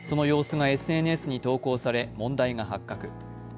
その様子がＳＮＳに投降され問題が発覚。